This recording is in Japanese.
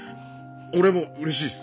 俺もうれしいっす。